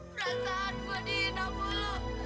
perasaan gue diindah dulu